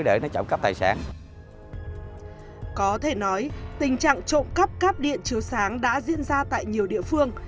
để bảo vệ tài sản có thể nói tình trạng trộm cắp cáp điện chiếu sáng đã diễn ra tại nhiều địa phương